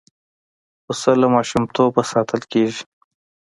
پسه له ماشومتوبه ساتل کېږي.